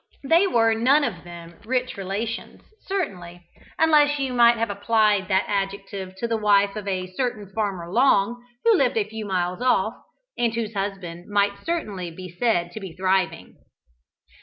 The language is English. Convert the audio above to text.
They were none of them rich relations, certainly, unless you might have applied that adjective to the wife of a certain Farmer Long who lived a few miles off, and whose husband might certainly be said to be thriving.